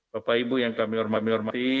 bapak ibu yang kami hormati hormati